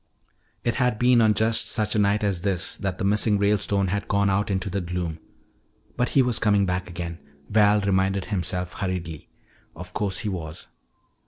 It had been on just such a night as this that the missing Ralestone had gone out into the gloom. But he was coming back again, Val reminded himself hurriedly. Of course he was.